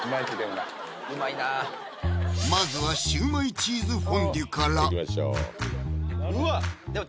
まずは焼売チーズフォンデュからうわっ！